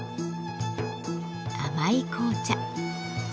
甘い紅茶。